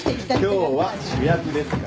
今日は主役ですから。